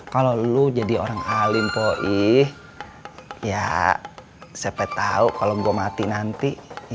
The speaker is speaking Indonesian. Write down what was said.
kalau lu jadi orang alim po ii ya siapa tau kalau gua mati nanti